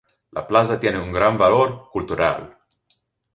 La plaza tiene un gran valor cultural.